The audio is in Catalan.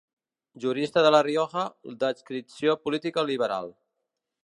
Jurista de La Rioja, d'adscripció política liberal.